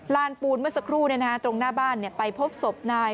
ปูนเมื่อสักครู่ตรงหน้าบ้านไปพบศพนาย